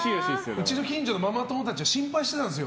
うちの近所のママ友たちが心配してたんですよ。